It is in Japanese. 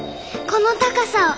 この高さを！